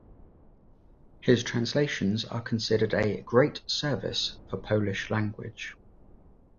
His translations are considered a "great service" for Polish language.